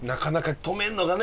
止めるのがね